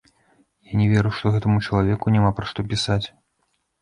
Я не веру, што гэтаму чалавеку няма пра што пісаць.